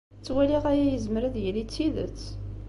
Ttwaliɣ aya yezmer ad yili d tidet.